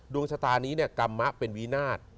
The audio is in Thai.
ดวงชะตานี้เนี่ยกรรมะเป็นวินาศ